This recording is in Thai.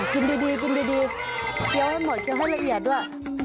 กินดีกินดีเคี้ยวให้หมดเคี้ยวให้ละเอียดด้วย